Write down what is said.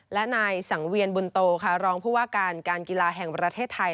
และนายสังเวียนบุญโตค่ะรองผู้ว่าการการกีฬาแห่งประเทศไทย